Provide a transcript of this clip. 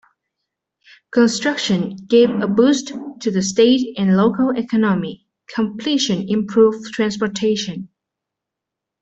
Construction gave a boost to the state and local economy, completion improved transportation.